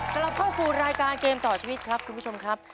กลับเข้าสู่รายการเกมต่อชีวิตครับคุณผู้ชมครับ